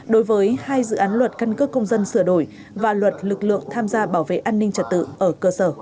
đối với hai dự án luật căn cước công dân sửa đổi và luật lực lượng tham gia bảo vệ an ninh trật tự ở cơ sở